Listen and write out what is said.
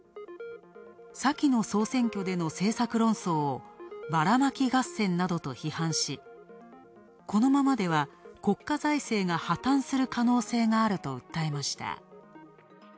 先の総選挙での政策論争をバラマキ合戦などと批判し、このままでは、国家財政が破綻する可能性があると訴えました。